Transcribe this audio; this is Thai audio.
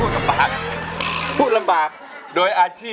สวัสดีครับคุณหน่อย